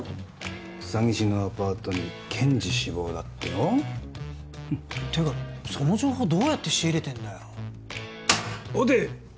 詐欺師のアパートに検事志望だってよていうかその情報どうやって仕入れてんだよ王手！